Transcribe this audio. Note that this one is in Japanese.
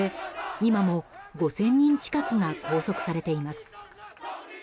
今も５０００人近くが拘束されています。